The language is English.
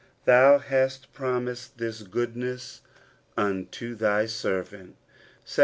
''Thou hast promised this goodness unto thy servant I